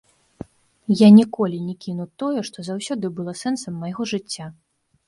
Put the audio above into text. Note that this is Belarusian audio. Я ніколі не кіну тое, што заўсёды было сэнсам майго жыцця.